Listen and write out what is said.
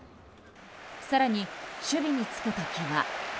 更に、守備に就く時は。